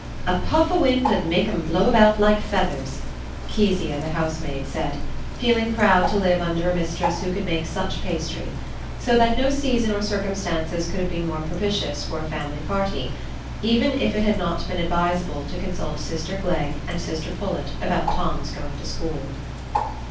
"A puff o' wind 'ud make 'em blow about like feathers," Kezia the housemaid said, feeling proud to live under a mistress who could make such pastry; so that no season or circumstances could have been more propitious for a family party, even if it had not been advisable to consult sister Glegg and sister Pullet about Tom's going to school.